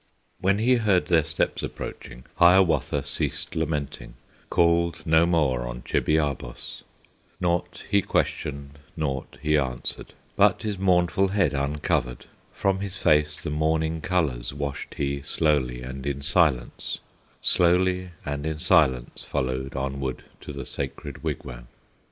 When he heard their steps approaching, Hiawatha ceased lamenting, Called no more on Chibiabos; Naught he questioned, naught he answered, But his mournful head uncovered, From his face the mourning colors Washed he slowly and in silence, Slowly and in silence followed Onward to the Sacred Wigwam.